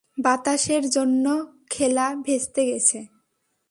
বাতাসের জন্য খেলা ভেস্তে গেছে।